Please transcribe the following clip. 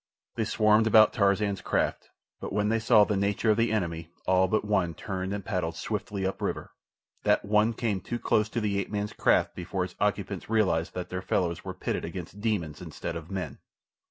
They swarmed about Tarzan's craft; but when they saw the nature of the enemy all but one turned and paddled swiftly up river. That one came too close to the ape man's craft before its occupants realized that their fellows were pitted against demons instead of men.